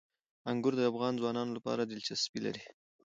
انګور د افغان ځوانانو لپاره دلچسپي لري.